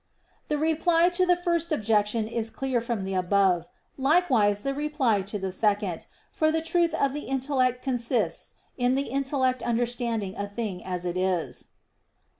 The reply to the First Objection is clear from the above; likewise the reply to the Second, for the truth of the intellect consists in the intellect understanding a thing as it is.